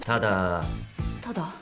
ただ。